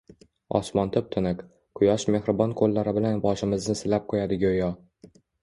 Osmon tip-tiniq. Quyosh mehribon qoʻllari bilan boshimizni silab qoʻyadi goʻyo.